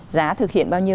giá thực hiện bao nhiêu